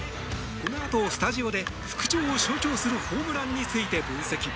このあとスタジオで復調を象徴するホームランについて分析。